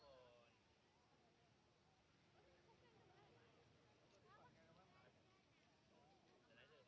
สวัสดีครับ